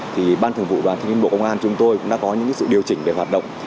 thì ban thường vụ đoàn thanh niên bộ công an chúng tôi cũng đã có những sự điều chỉnh về hoạt động